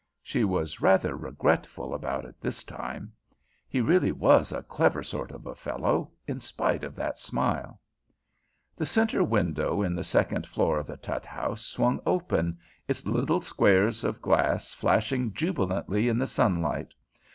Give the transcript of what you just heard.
She was rather regretful about it this time. He really was a clever sort of a fellow, in spite of that smile. The center window in the second floor of the Tutt House swung open, its little squares of glass flashing jubilantly in the sunlight.